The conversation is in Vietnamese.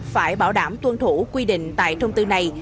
phải bảo đảm tuân thủ quy định tại thông tư này